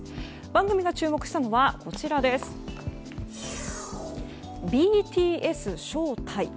番組が注目したのはＢＴＳ招待。